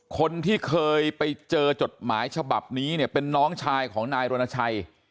คนที่เคยไปเจอจดหมายฉบับนี้เนี่ยเป็นน้องชายของนายรณชัย